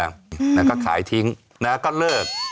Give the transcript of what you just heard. แล้วก็ขายทิ้งนะก็เลิก